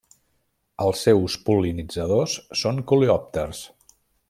Els seus pol·linitzadors són coleòpters.